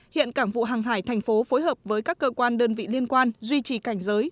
hiện cảng vụ hàng hải thành phố phối hợp với các cơ quan đơn vị liên quan duy trì cảnh giới